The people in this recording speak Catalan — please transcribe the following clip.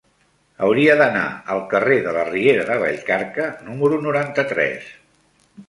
Hauria d'anar al carrer de la Riera de Vallcarca número noranta-tres.